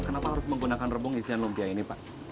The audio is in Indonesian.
kenapa harus menggunakan rebung isian lumpia ini pak